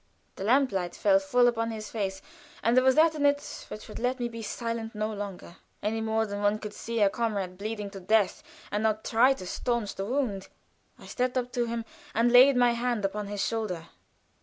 The lamp light fell full upon his face, and there was that in it which would let me be silent no longer, any more than one could see a comrade bleeding to death, and not try to stanch the wound. I stepped up to him and laid my hand upon his shoulder.